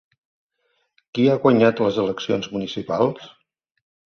Qui ha guanyat les eleccions municipals?